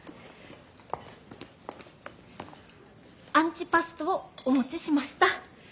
アンチパストをお持ちしました。